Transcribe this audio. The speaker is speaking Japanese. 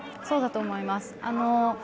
そうだと思います。